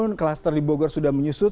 namun kluster di bogor sudah menyusut